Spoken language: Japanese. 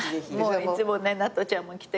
いつもねなとちゃんも来てくれて。